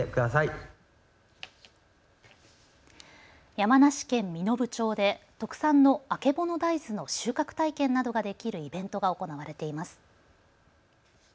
山梨県身延町で特産のあけぼの大豆の収穫体験などができるイベントが行われています。